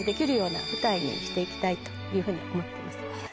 していきたいというふうに思ってます。